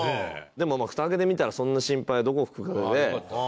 でもふた開けてみたらそんな心配どこ吹く風で。